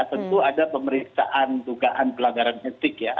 tentu ada pemeriksaan dugaan pelanggaran etik ya